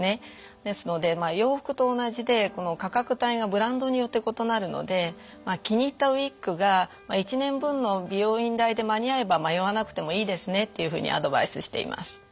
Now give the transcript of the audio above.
ですので洋服と同じでこの価格帯がブランドによって異なるので気に入ったウイッグが１年分の美容院代で間に合えば迷わなくてもいいですねっていうふうにアドバイスしています。